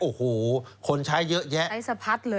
โอ้โหคนใช้เยอะแยะ